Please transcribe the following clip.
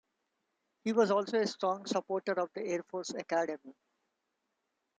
He was also a strong supporter of the Air Force Academy.